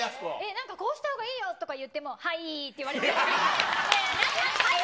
なんか、こうしたほうがいいよって言っても、はいーって言われて。